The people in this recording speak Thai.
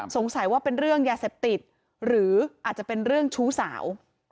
สงสัยว่าเป็นเรื่องยาเสพติดหรืออาจจะเป็นเรื่องชู้สาว